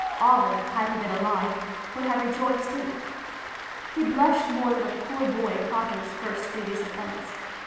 Ovid, had he been alive, would have rejoiced in it! He blushed more than a poor boy caught in his first grievous offence.